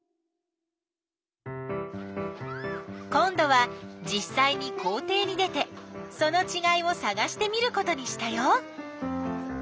今どはじっさいに校ていに出てそのちがいをさがしてみることにしたよ。